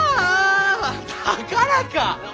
だからか！